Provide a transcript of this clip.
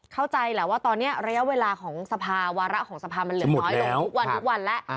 เข้าใจแหละว่าตอนนี้ระยะเวลาของสภาวาระของสภามันเหลือน้อยลงทุกวันทุกวันแล้ว